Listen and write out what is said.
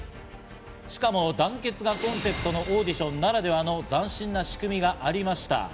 しかも団結がコンセプトのオーディションならではの斬新な仕組みがありました。